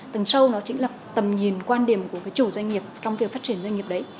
tầng sâu chính là tầm nhìn quan điểm của chủ doanh nghiệp trong việc phát triển doanh nghiệp đấy